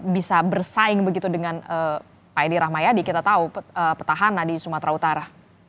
bisa bersaing begitu dengan pak edi rahmayadi kita tahu petahana di sumatera utara